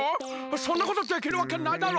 そんなことできるわけないだろ！